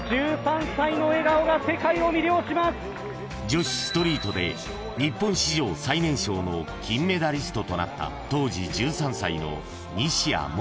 ［女子ストリートで日本史上最年少の金メダリストとなった］